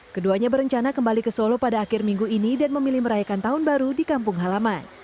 keduanya berencana kembali ke solo pada akhir minggu ini dan memilih merayakan tahun baru di kampung halaman